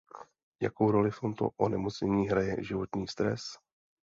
Jakou roli v tomto onemocnění hraje životní stres?